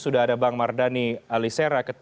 sudah ada bang mardhani alisera ketua dpr